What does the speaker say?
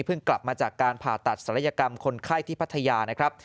เพิ่งกลับมาจากการผ่าตัดศรัยกรรมคนไข้ที่พัทยา